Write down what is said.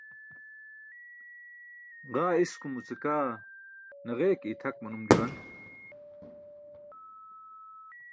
Ġaa iskumuce kaa naġe ke itʰak manum juwan.